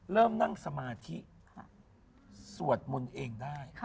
เริ่มนั่งสมาธิสวดมนต์เองได้